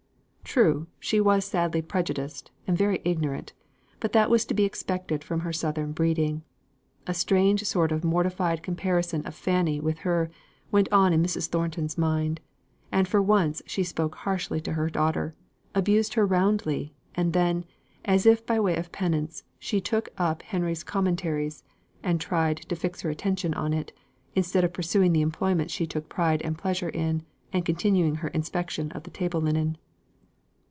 True, she was sadly prejudiced, and very ignorant; but that was to be expected from her southern breeding. A strange sort of mortified comparison of Fanny with her, went on in Mrs. Thornton's mind; and for once she spoke harshly to her daughter; abused her roundly; and then, by way of penance, she took up Henry's Commentaries, and tried to fix her attention on it, instead of pursuing the employment she took pride in, and continuing her inspection of the table linen.